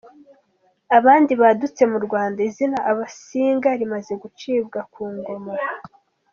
Abandi badutse mu Rwanda izina Abasinga rimaze gucibwa ku Ngoma.